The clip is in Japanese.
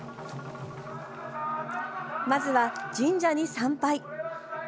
まずは、神社に参拝。